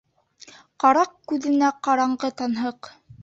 Ҡараҡ күҙенә ҡараңғы танһыҡ